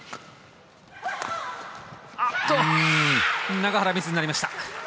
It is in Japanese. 永原、ミスになりました。